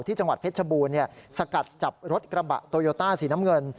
จังหวัดเพชรบูรณ์สกัดจับรถกระบะโตโยต้าสีน้ำเงิน